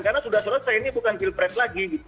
karena sudah selesai ini bukan pilpres lagi